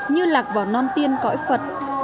như lạc vào non tiên cõi phật